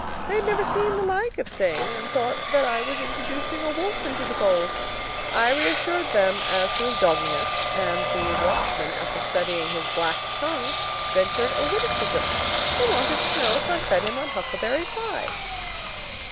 They had never seen the like of Sing, and thought that I was introducing a wolf into the fold. I reassured them as to his dogginess, and the watchman, after studying his black tongue, ventured a witticism. He wanted to know if I fed him on huckleberry pie.